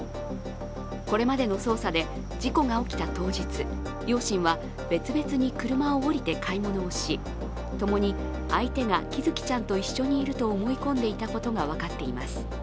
これまでの捜査で事故が起きた当日両親は別々に車を降りて買い物をし、共に相手が喜寿生ちゃんと一緒にいると思い込んでいたことが分かっています。